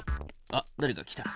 あっだれか来た。